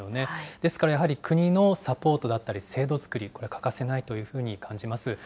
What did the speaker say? ですから、やはり国のサポートだったり、制度作り、これ、欠かせないというふうに感じます。